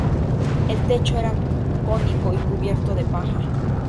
El techo era cónico y cubierto de paja.